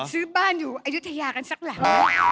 ซื้อบ้านอยู่อายุทยากันสักหลัง